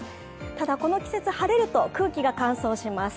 ただ、この季節、晴れると空気が乾燥します。